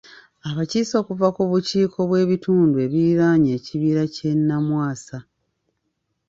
Abakiise okuva ku bukiiko bw'ebitundu ebiriraanye Ekibira ky'e Namwasa.